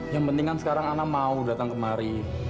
yang penting kan sekarang anak mau datang kemari